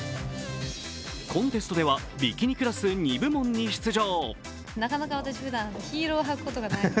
コンテストではビキニクラス２部門に出場。